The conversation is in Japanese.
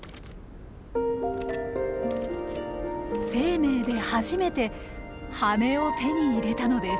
生命で初めて羽を手に入れたのです。